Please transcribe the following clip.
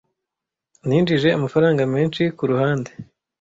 Ninjije amafaranga menshi kuruhande.